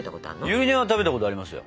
ゆり根は食べたことありますよ。